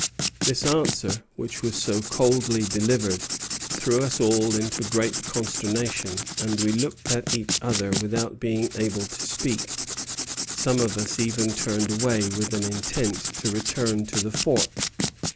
This answer, which was so coldly delivered, threw us all into great consternation, and we looked at each other without being able to speak; some of us even turned away with an intent to return to the fort.